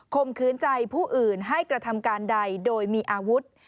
มขืนใจผู้อื่นให้กระทำการใดโดยมีอาวุธ